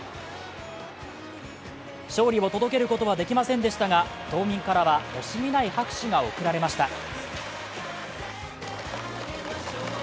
勝利を届けることはできませんでしたが、島民からは惜しみない拍手が贈られました。